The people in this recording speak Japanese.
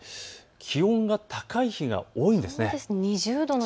気温が高い日が多いんですね。